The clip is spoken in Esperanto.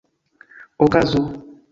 okazo